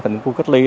thành khu cách ly